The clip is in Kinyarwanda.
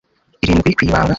irindwi ku ibanga